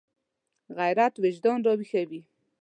غیرت وجدان راویښوي